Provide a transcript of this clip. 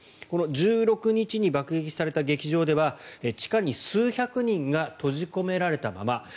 この１６日に爆撃された劇場では地下に数百人が閉じ込められたまま。